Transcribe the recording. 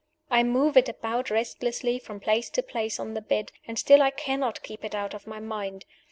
I move it about restlessly from place to place on the bed, and still I cannot keep it out of my mind.